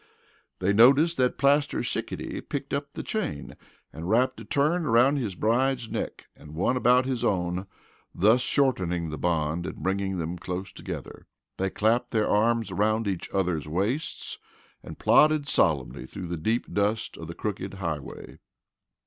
They noticed that Plaster Sickety picked up the chain and wrapped a turn around his bride's neck and one about his own, thus shortening the bond and bringing them close together. They clamped their arms around each other's waists, and plodded solemnly through the deep dust of the crooked highway.